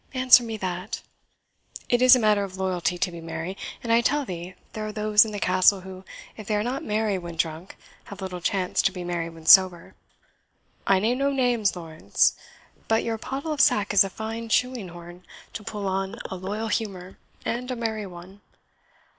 answer me that. It is matter of loyalty to be merry; and I tell thee there are those in the Castle who, if they are not merry when drunk, have little chance to be merry when sober I name no names, Lawrence. But your pottle of sack is a fine shoeing horn to pull on a loyal humour, and a merry one.